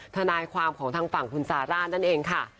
ทนายความของทางฝั่งคุณซาร่านั่นเองค่ะ